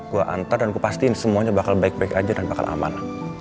gue antar dan kupastiin semuanya bakal baik baik aja dan bakal aman